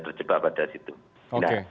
terjebak pada situ nah